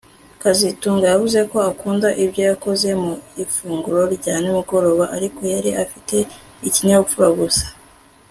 kazitunga yavuze ko akunda ibyo yakoze mu ifunguro rya nimugoroba ariko yari afite ikinyabupfura gusa